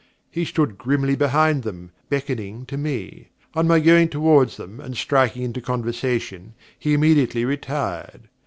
He stood grimly behind them, beckoning to me. On my going towards them and striking into the conversation, he immediately retired.